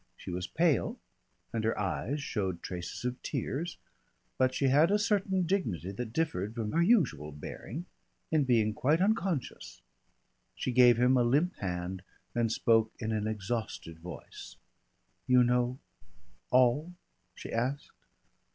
She was pale, and her eyes showed traces of tears, but she had a certain dignity that differed from her usual bearing in being quite unconscious. She gave him a limp hand and spoke in an exhausted voice. "You know all?" she asked.